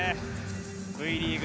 Ｖリーグ